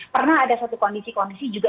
pernah ada satu kondisi kondisi juga